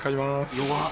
弱っ！